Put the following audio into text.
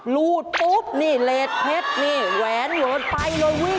รูดปุ๊บนี่เลสเพชรนี่แหวนโยนไปเลยวิ่ง